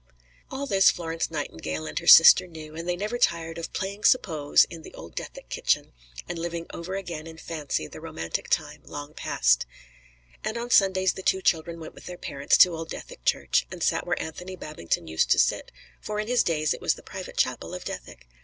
All this Florence Nightingale and her sister knew, and they never tired of "playing suppose" in old Dethick kitchen, and living over again in fancy the romantic time long past. And on Sundays the two children went with their parents to old Dethick church, and sat where Anthony Babington used to sit, for in his days it was the private chapel of Dethick.